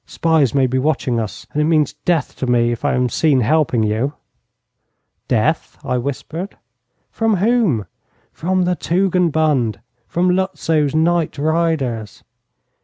Spies may be watching us, and it means death to me if I am seen helping you.' 'Death!' I whispered. 'From whom?' 'From the Tugendbund. From Lutzow's night riders.